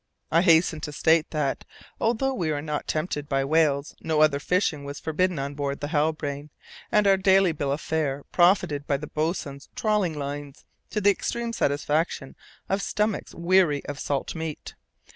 I hasten to state that, although we were not to be tempted by whales, no other fishing was forbidden on board the Halbrane, and our daily bill of fare profited by the boatswain's trawling lines, to the extreme satisfaction of stomachs weary of salt meat.